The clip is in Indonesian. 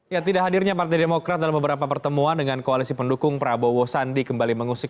ya tidak hadirnya partai demokrat dalam beberapa pertemuan dengan koalisi pendukung prabowo sandi kembali mengusik